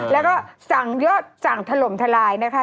แล้วก็สั่งยอดสั่งถล่มทลายนะคะ